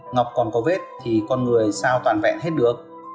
ngọc còn có vết thì con người sao toàn vẹn hết được